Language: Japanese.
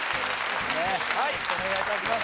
お願いいたします